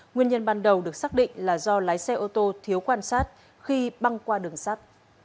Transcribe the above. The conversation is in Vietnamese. nguyên nhân ban đầu được xác định là do lái xe ô tô thiếu quan sát khi băng qua đường sắt